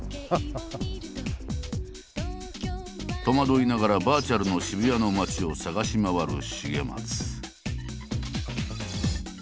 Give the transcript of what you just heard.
戸惑いながらバーチャルの渋谷の街を探し回る重松。